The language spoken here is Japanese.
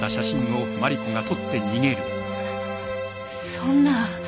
そんな。